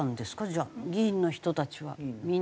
じゃあ議員の人たちはみんな。